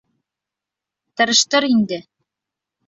Тырыштыр инде.